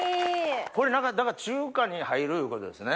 これだから中華に入るいうことですね。